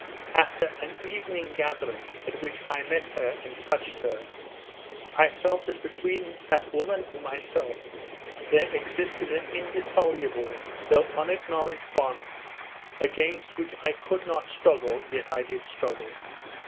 'After an evening gathering at which I met her and touched her, I felt that between that woman and myself there existed an indissoluble though unacknowledged bond against which I could not struggle, yet I did struggle.